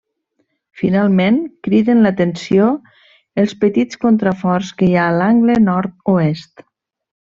Finalment, criden l'atenció els petits contraforts que hi ha a l'angle nord-oest.